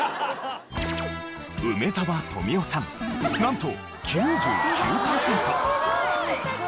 梅沢富美男さんなんと９９パーセント。